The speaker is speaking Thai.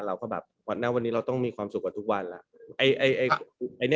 เราก็แบบณวันนี้เราต้องมีความสุขกว่าทุกวันแล้ว